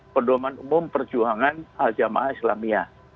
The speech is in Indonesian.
pendorongan umum perjuangan al jamaah islamiyah